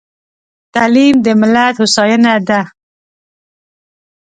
تعليم د ملت هوساينه ده.